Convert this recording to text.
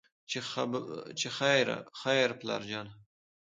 چې خېره پلار جانه